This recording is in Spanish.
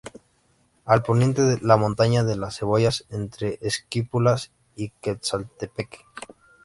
Al poniente la Montaña de Las Cebollas entre Esquipulas y Quezaltepeque.